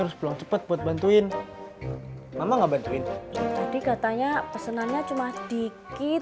harus pulang cepat buat bantuin mama nggak bantuin tadi katanya pesenannya cuma dikit